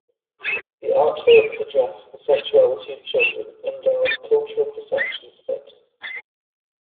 The artworks addressed the sexuality of children and our cultural perceptions of it.